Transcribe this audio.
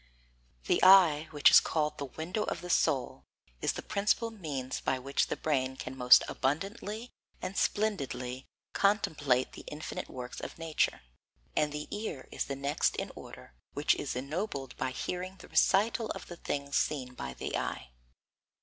The eye, which is called the window of the soul, is the principal means by which the brain can most abundantly and splendidly contemplate the infinite works of nature; and the ear is the next in order, which is ennobled by hearing the recital of the things seen by the eye.